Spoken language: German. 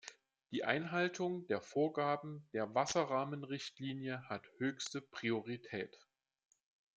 Die Einhaltung der Vorgaben der Wasserrahmenrichtlinie hat höchste Priorität.